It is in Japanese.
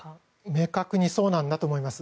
明確にそうなんだと思います。